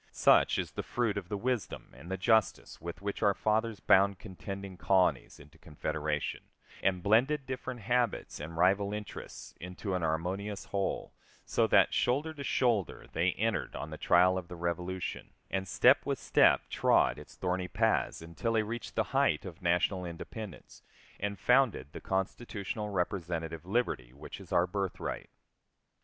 Such is the fruit of the wisdom and the justice with which our fathers bound contending colonies into confederation, and blended different habits and rival interests into an harmonious whole, so that, shoulder to shoulder, they entered on the trial of the Revolution, and step with step trod its thorny paths until they reached the height of national independence, and founded the constitutional representative liberty which is our birthright....